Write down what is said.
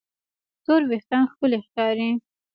تور وېښتيان ښکلي ښکاري.